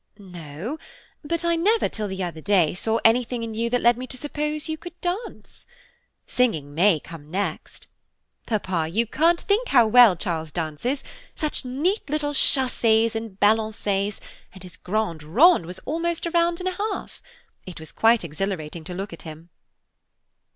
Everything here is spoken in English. "No, but I never, till the other day, saw anything in you that led me to suppose you could dance. Singing may come next. Papa, you can't think how well Charles dances, such neat little chassés and balancés, and his grand rond was almost a round and a half. It was quite exhilarating to look at him."